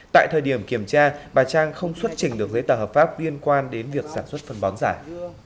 tại thời điểm kiểm tra bà trang không xuất trình được giấy tờ hợp pháp liên quan đến việc sản xuất phân bón giả